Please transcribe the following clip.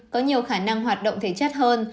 có nhiều khả năng hoạt động thể chất hơn